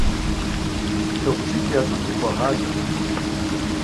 ДыгъужьитӀ я щӀыб зэхуагъазэркъым.